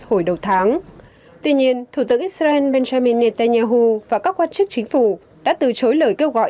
hồi đầu tháng tuy nhiên thủ tướng israel benjamin netanyahu và các quan chức chính phủ đã từ chối lời kêu gọi